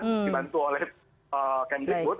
dibantu oleh kementikbud